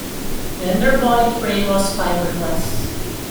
The underbody tray was fiberglass.